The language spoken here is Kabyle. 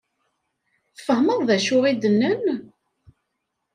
Tfehmeḍ d acu i d-nnan?